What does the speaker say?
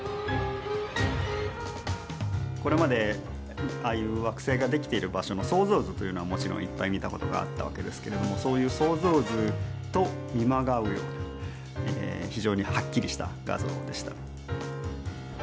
これまでああいう惑星が出来ている場所の想像図というのはもちろんいっぱい見たことがあったわけですけれどもそういう想像図と見まがうような非常にはっきりした画像でした。